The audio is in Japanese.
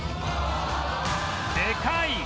でかい！